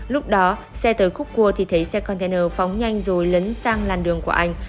lúc đó xe tới khúc cua thì thấy xe container phóng nhanh rồi lấn sang làn đường của anh